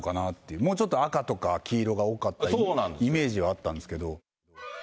もうちょっと赤とか、黄色が多かったイメージはあったんですけど。